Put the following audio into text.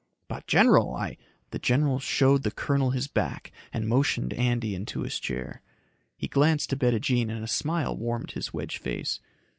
"But, general, I " The general showed the colonel his back and motioned Andy into his chair. He glanced to Bettijean and a smile warmed his wedge face.